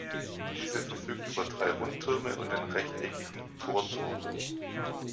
Diese verfügt über drei Rundtürme und den rechteckigen Torturm.